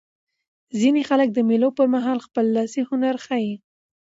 ځیني خلک د مېلو پر مهال خپل لاسي هنرونه ښيي.